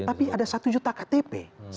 tapi ada satu juta ktp